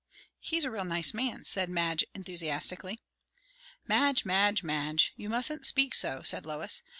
"He's a real nice man!" said Madge enthusiastically. "Madge, Madge, Madge! you mustn't speak so," said Lois.